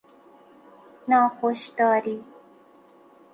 ناخوش داری